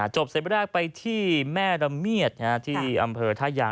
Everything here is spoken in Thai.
เซ็ปแรกไปที่แม่ระเมียดที่อำเภอท่ายาง